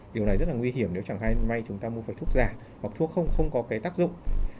điều này rất là nguy hiểm nếu chẳng may chúng ta mua phải thuốc giả hoặc thuốc không có cái tác dụng